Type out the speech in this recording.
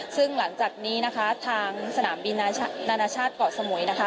ซึ่งหลังจากนี้นะคะทางสนามบินนานาชาติเกาะสมุยนะคะ